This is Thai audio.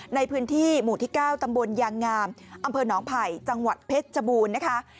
ในพื้นที่หมู่ที่๙ตำบลยางงามอำเภอหนองไผ่จังหวัดเพชรชบูรณ์นะคะ